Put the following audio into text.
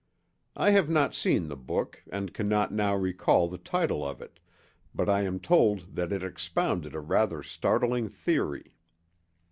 I have not seen the book and cannot now recall the title of it, but I am told that it expounded a rather startling theory.